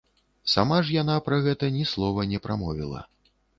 Сама ж яна пра гэта ні слова не прамовіла.